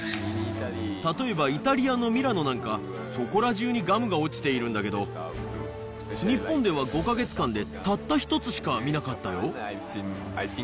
例えばイタリアのミラノなんかは、そこら中にガムが落ちているんだけど、日本では５か月間でたった１つしか見なかったよ。